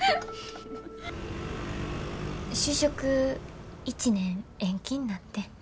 就職１年延期になってん。